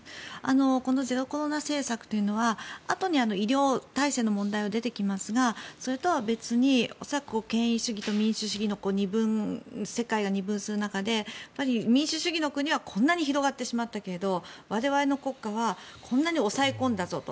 このゼロコロナ政策というのはあとにやる医療体制の問題が出てきますが、それとは別に権威主義と民主主義で世界が二分する中で民主主義の国はこんなに広がってしまったけれど我々の国家はこんなに抑え込んだぞと。